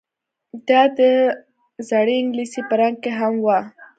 دا د زړې انګلیسي په رنګ کې هم وه